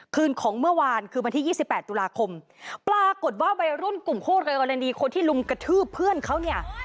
คืนของเมื่อวานคือวันที่๒๘ตุลาคมปรากฏว่าวัยรุ่นกลุ่มคู่กรณีคนที่ลุมกระทืบเพื่อนเขาเนี่ย